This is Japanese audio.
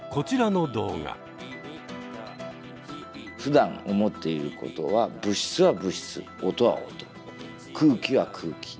ふだん思っていることは物質は物質音は音空気は空気。